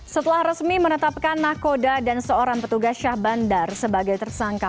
setelah resmi menetapkan nakoda dan seorang petugas syah bandar sebagai tersangka